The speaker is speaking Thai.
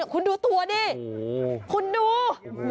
คุณดูตัวดิคุณดู